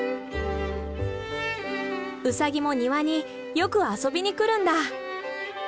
ウサギも庭によく遊びに来るんだ。